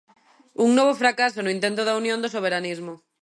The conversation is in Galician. Un novo fracaso no intento da unión do soberanismo.